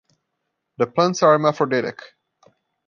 The plants are hermaphroditic.